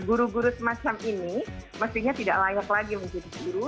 guru guru semacam ini mestinya tidak layak lagi menjadi guru